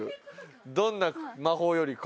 「どんな魔法より恋」